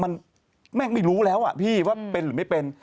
มันแม่งไม่รู้แล้วอ่ะพี่ว่าเป็นหรือไม่เป็น